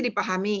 kedua apakah mampu